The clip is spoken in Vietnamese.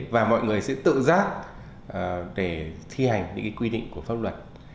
và mọi người sẽ tự giác để thi hành những quy định của pháp luật